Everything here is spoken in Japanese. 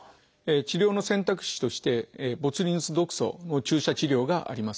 治療の選択肢としてボツリヌス毒素の注射治療があります。